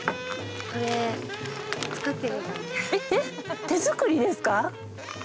これえっ手作りですか？